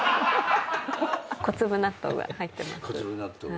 小粒納豆が入ってます。